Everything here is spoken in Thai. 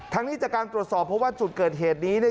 นี้จากการตรวจสอบเพราะว่าจุดเกิดเหตุนี้